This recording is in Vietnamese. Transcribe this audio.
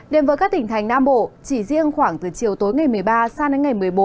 đến với các tỉnh thành nam bộ chỉ riêng khoảng từ chiều tối ngày một mươi ba sang đến ngày một mươi bốn